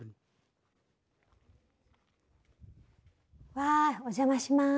わあお邪魔します。